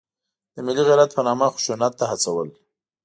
د ملي غیرت په نامه خشونت ته هڅول.